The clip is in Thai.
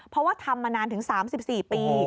เพราะว่าทำมานานถึง๓๔ปี